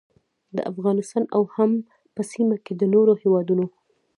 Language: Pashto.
د افغانستان او هم په سیمه کې د نورو هیوادونو